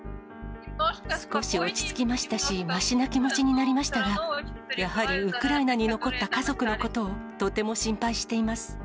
少し落ち着きましたし、ましな気持ちになりましたが、やはりウクライナに残った家族のことをとても心配しています。